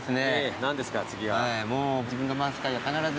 何ですか次は。